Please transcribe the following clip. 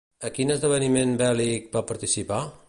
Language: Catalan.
A quin esdeveniment bèl·lic va participar?